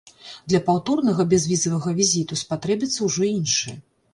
Для паўторнага бязвізавага візіту спатрэбіцца ўжо іншы.